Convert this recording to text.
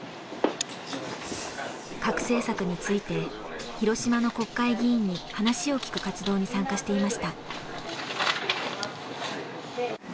核政策について広島の国会議員に話を聞く活動に参加していました。